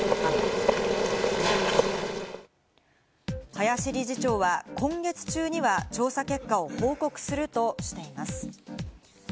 林理事長は今月中には調査結果を報告するとしています。